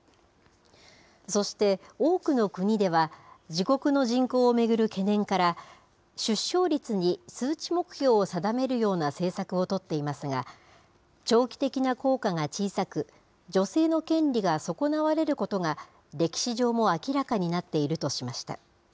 そして多くの国では自国の人口を巡る懸念から、出生率に数値目標を定めるような政策を取っていますが、長期的な効果が小さく、女性の権利が損なわれることが、歴史上も明らかになっているとしました。